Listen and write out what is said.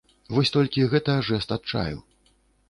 Вось толькі гэта жэст адчаю.